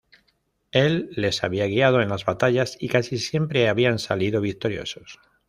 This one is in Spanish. Él les había guiado en las batallas y casi siempre habían salido victoriosos.